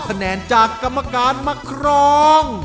คะแนนจากกรรมการมาครอง